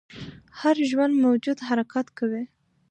هر ژوندی موجود حرکت کوي